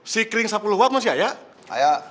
si kering sepuluh watt mas ya ya